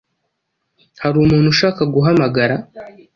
Hari umuntu ushaka guhamagara?